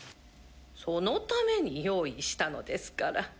そのために用意したのですから。